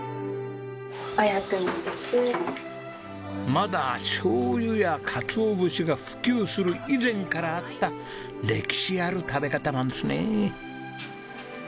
まだ醤油やかつおぶしが普及する以前からあった歴史ある食べ方なんですね。